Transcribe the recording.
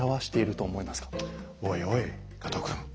おいおい加藤君。